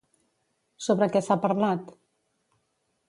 Sobre què s'ha parlat?